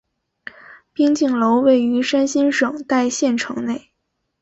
边靖楼位于山西省代县城内。